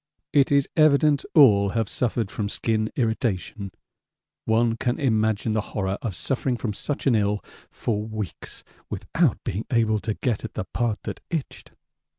It is evident all have suffered from skin irritation one can imagine the horror of suffering from such an ill for weeks without being able to get at the part that itched.